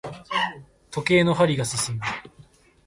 時計の針が進む。